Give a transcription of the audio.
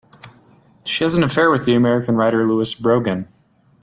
She has an affair with the American writer Lewis Brogan.